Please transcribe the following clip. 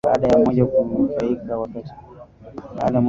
badala ya moja kunufaika wakati nyingine ikinyonywa